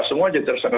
semua jadi tersangka